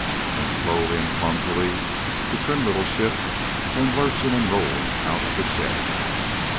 And slowly and clumsily the trim little ship came lurching and rolling out of the shed.